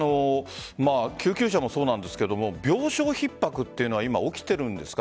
救急車もそうですが病床ひっ迫というのは今、起きているんですか？